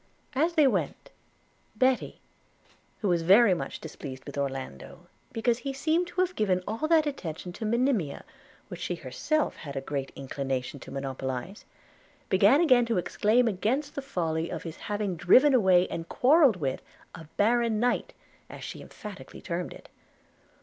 As they went, Betty, who was very much displeased with Orlando, because he seemed to have given all that attention to Monimia which she had herself a great inclination to monopolize, began again to exclaim against the folly of his having driven away and quarrelled with a baron knight, as she emphatically termed it.